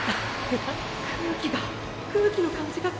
空気が空気の感じが変わった